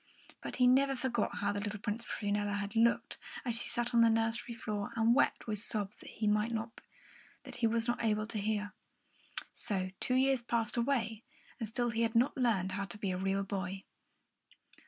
But he never forgot how the little Princess Prunella had looked, as she sat on the nursery floor and wept with sobs that he was not able to hear. So two years passed away, and still he had not learned how to be a real boy.